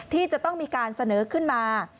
ที่จะต้องมีการเสนอขึ้นมา